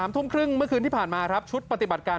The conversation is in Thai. ทุ่มครึ่งเมื่อคืนที่ผ่านมาครับชุดปฏิบัติการ